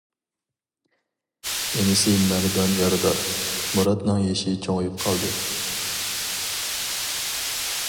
ئىنىسى مەردان يارىدار، مۇراتنىڭ يېشى چوڭىيىپ قالدى.